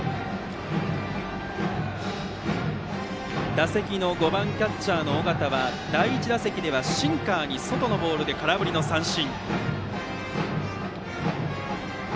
打席の５番キャッチャーの尾形は第１打席ではシンカー外のボールに空振りの三振。